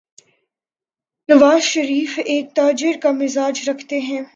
نوازشریف ایک تاجر کا مزاج رکھتے ہیں۔